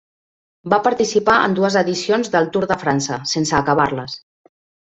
Va participar en dues edicions del Tour de França, sense acabar-les.